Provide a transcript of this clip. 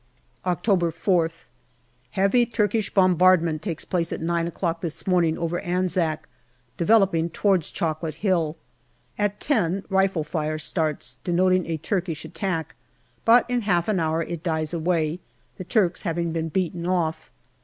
October 4th. Heavy Turkish bombardment takes place at nine o'clock this morning over Anzac, developing towards Chocolate Hill. At ten, rifle fire starts, denoting a Turkish attack, but in half an hour it dies away, the Turks having been beaten off.